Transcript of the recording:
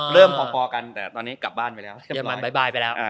เริ่มพอกันแต่ตอนนี้กลับบ้านไปแล้ว